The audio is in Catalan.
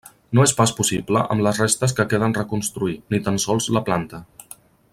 No és pas possible amb les restes que queden reconstruir, ni tan sols, la planta.